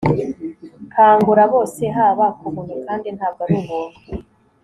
Kangura bose haba kubuntu kandi ntabwo ari ubuntu